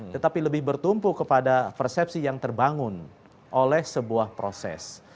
tetapi lebih bertumpu kepada persepsi yang terbangun oleh sebuah proses